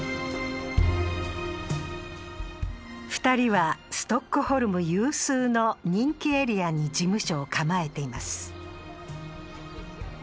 ２人はストックホルム有数の人気エリアに事務所を構えています